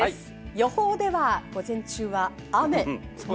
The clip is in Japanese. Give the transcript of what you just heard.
予報では午前中は雨。